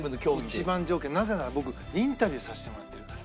なぜなら僕インタビューさせてもらってるから。